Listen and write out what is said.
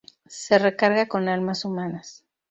Se recarga con almas humanas.